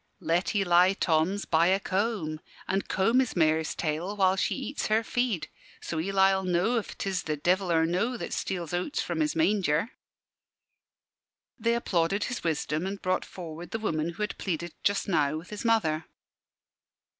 "Let Eli Thoms buy a comb, an' comb his mare's tail while she eats her feed. So Eli'll know if 'tis the devil or no that steals oats from his manger." They applauded his wisdom and brought forward the woman who had pleaded just now with his mother.